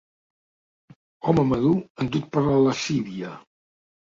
Home madur endut per la lascívia.